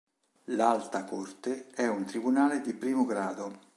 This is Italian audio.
L'Alta corte è un tribunale di primo grado.